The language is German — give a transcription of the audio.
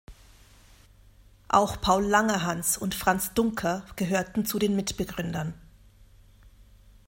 Auch Paul Langerhans und Franz Duncker gehörten zu den Mitbegründern.